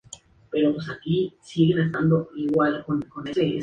Los jurados de concursos adoran a este tipo de pianista.